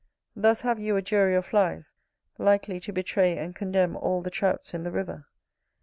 Thus have you a jury of flies, likely to betray and condemn all the Trouts in the river.